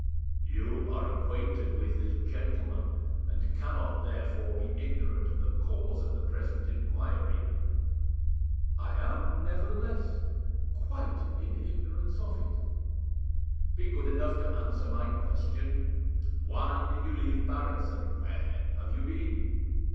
"You are acquainted with this gentleman, and cannot therefore be ignorant of the cause of the present inquiry." "I am, nevertheless, quite in ignorance of it." "Be good enough to answer my question. Why did you leave Paris? And where have you been?"